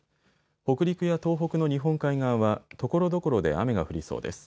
北陸や東北の日本海側はところどころで雨が降りそうです。